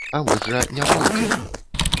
А вось жа не пойдзем!